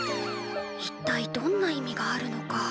一体どんな意味があるのか。